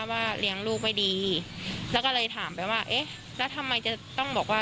ว่าเลี้ยงลูกไม่ดีแล้วก็เลยถามไปว่าเอ๊ะแล้วทำไมจะต้องบอกว่า